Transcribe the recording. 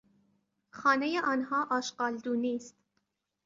خانهی آنها آشغالدونی است.